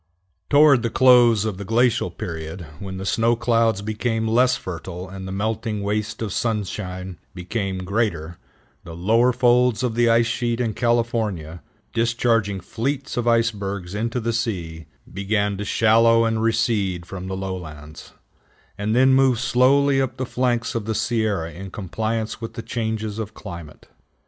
Toward the close of the glacial period, when the snow clouds became less fertile and the melting waste of sunshine became greater, the lower folds of the ice sheet in California, discharging fleets of icebergs into the sea, began to shallow and recede from the lowlands, and then move slowly up the flanks of the Sierra in compliance with the changes of climate.